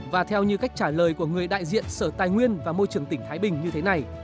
và theo như cách trả lời của người đại diện sở tài nguyên và môi trường tỉnh thái bình như thế này